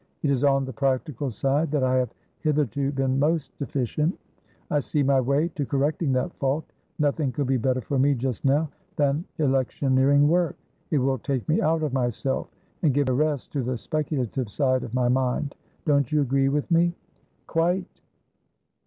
It is on the practical side that I have hitherto been most deficient. I see my way to correcting that fault. Nothing could be better for me, just now, than electioneering work. It will take me out of myself, and give a rest to the speculative side of my mind. Don't you agree with me?" "Quite."